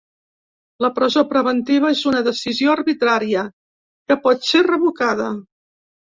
La presó preventiva és una decisió arbitrària, que pot ser revocada.